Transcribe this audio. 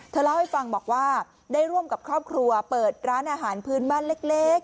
เล่าให้ฟังบอกว่าได้ร่วมกับครอบครัวเปิดร้านอาหารพื้นบ้านเล็ก